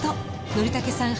憲武さん